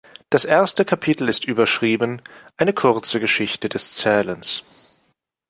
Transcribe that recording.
Das erste Kapitel ist überschrieben: "Eine kurze Geschichte des Zählens".